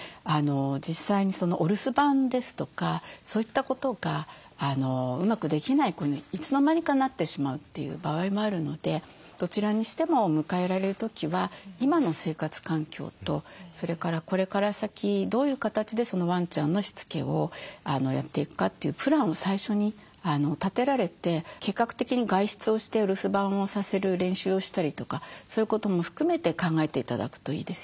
実際にお留守番ですとかそういったことがうまくできない子にいつの間にかなってしまうという場合もあるのでどちらにしても迎えられる時は今の生活環境とそれからこれから先どういう形でそのワンちゃんのしつけをやっていくかというプランを最初に立てられて計画的に外出をしてお留守番をさせる練習をしたりとかそういうことも含めて考えて頂くといいですよね。